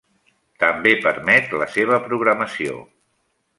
També permet la seva programació.